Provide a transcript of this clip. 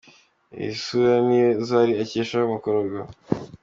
Iyi sura ni yo Zari akesha mukorogo.